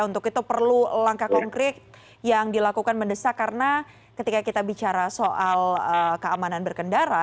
untuk itu perlu langkah konkret yang dilakukan mendesak karena ketika kita bicara soal keamanan berkendara